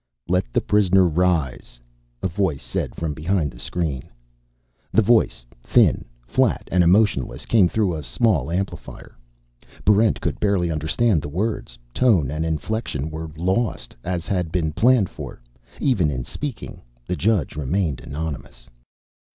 "Let the prisoner rise," a voice said from behind the screen. The voice, thin, flat and emotionless, came through a small amplifier. Barrent could barely understand the words; tone and inflection were lost, as had been planned for. Even in speaking, the judge remained anonymous.